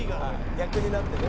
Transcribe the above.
「逆になってね」